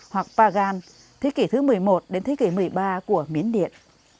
hoặc pagan thế kỷ thứ một mươi một đến thế kỷ một mươi ba của miến điện